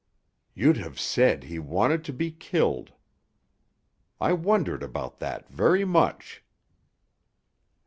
'You'd have said he wanted to be killed.' I wondered about that very much.